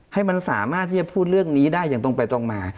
ให้มันสามารถที่จะพูดเรื่องนี้ได้อย่างตรงไปตรงมา